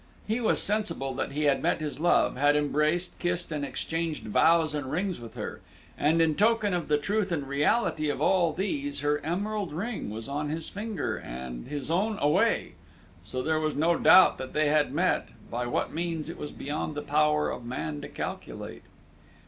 He was sensible that he had met his love, had embraced, kissed, and exchanged vows and rings with her, and, in token of the truth and reality of all these, her emerald ring was on his finger, and his own away; so there was no doubt that they had met by what means it was beyond the power of man to calculate.